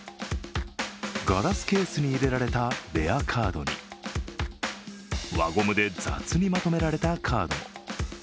ガラスケースに入れられたレアカードに輪ゴムで雑にまとめられたカードも。